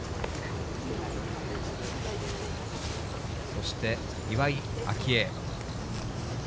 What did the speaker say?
そして、岩井明愛。